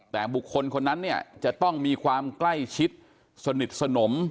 แต่บุคคลคนนั้นเนี่ยจะต้องมีความใกล้ชิดสนิทสนม